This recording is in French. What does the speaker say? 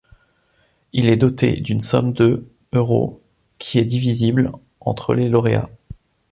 Il est doté d'une somme de euros, qui est divisible entre les lauréats.